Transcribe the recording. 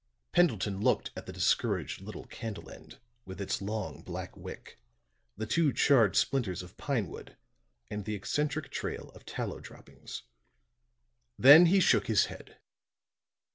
Pendleton looked at the discouraged little candle end, with its long black wick, the two charred splinters of pine wood and the eccentric trail of tallow droppings. Then he shook his head.